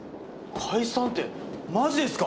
解散ってマジですか？